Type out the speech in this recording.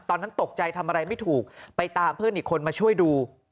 ตอนนั้นตกใจทำอะไรไม่ถูกไปตามเพื่อนอีกคนมาช่วยดู